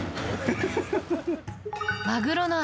マグロの頭？